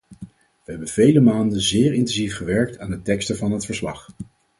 We hebben vele maanden zeer intensief gewerkt aan de teksten van het verslag.